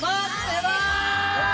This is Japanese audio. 「うわ！」